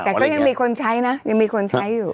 แต่ก็ยังมีคนใช้นะยังมีคนใช้อยู่